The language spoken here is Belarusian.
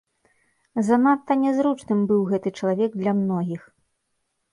Занадта нязручным быў гэты чалавек для многіх.